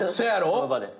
その場で。